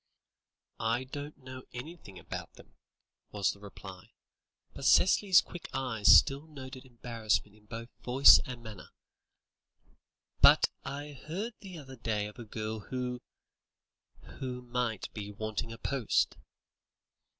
"I don't know anything about them," was the reply, but Cicely's quick eyes still noted embarrassment in both voice and manner, "but I heard the other day of a girl who who might be wanting a post."